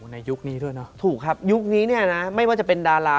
ในยุคนี้ด้วยเนอะถูกครับยุคนี้เนี่ยนะไม่ว่าจะเป็นดารา